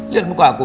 lihat muka aku